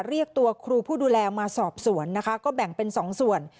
เรียกตัวครูผู้ดูแลมาสอบสวนนะคะก็แบ่งเป็น๒ส่วน